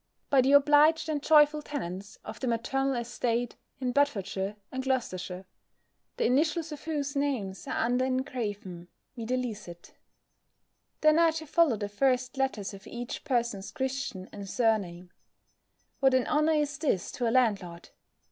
_ _"By the obliged and joyful tenants of the maternal estate in Bedfordshire and Gloucestershire, the initials of whose names are under engraven, viz._" Then are to follow the first letters of each person's Christian and surname. What an honour is this to a landlord!